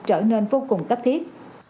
trở nên vô cùng cấp thiết